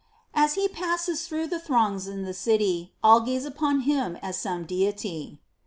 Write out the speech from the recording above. As he passes through the throngs in the city, All gaze upon him as some Deity.